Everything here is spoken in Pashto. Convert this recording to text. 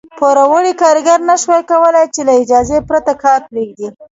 پوروړي کارګر نه شوای کولای چې له اجازې پرته کار پرېږدي.